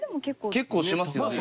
結構しますよね。